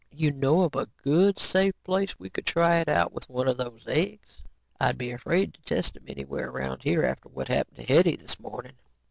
"You know of a good safe place we could try it out with one of those eggs? I'd be afraid to test 'em anywhere around here after what happened to Hetty this morning."